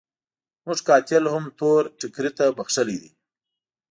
موږ قاتل هم تور ټکري ته بخښلی دی.